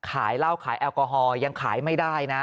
ขายเหล้าขายแอลกอฮอลยังขายไม่ได้นะ